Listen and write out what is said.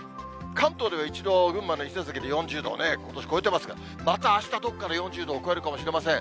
関東では一度、群馬の伊勢崎で４０度、ことし超えてますが、またあした、どっかで４０度を超えるかもしれません。